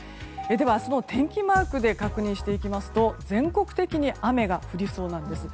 明日の天気マークで確認していきますと全国的に雨が降りそうなんです。